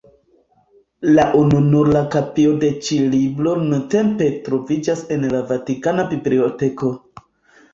La ununura kopio de ĉi libro nuntempe troviĝas en la Vatikana Biblioteko.